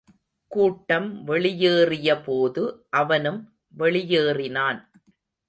கூட்டம் வெளியேறியபோது, அவனும் வெளியேறினான்.